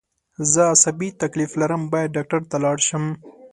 زه عصابي تکلیف لرم باید ډاکټر ته لاړ شم